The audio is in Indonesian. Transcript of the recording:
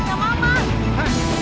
pak hati hati loh pak